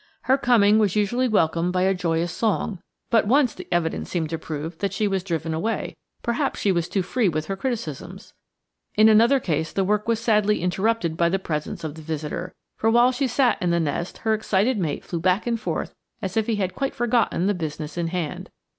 Her coming was usually welcomed by a joyous song, but once the evidence seemed to prove that she was driven away; perhaps she was too free with her criticisms! In another case the work was sadly interrupted by the presence of the visitor, for while she sat in the nest her excited mate flew back and forth as if he had quite forgotten the business in hand.